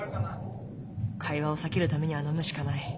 会話を避けるためには飲むしかない。